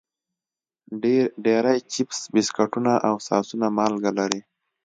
ډېری چپس، بسکټونه او ساسونه مالګه لري.